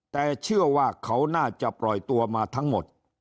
แต่เชื่อว่าเขาน่าจะปล่อยตัวมาทั้งหมด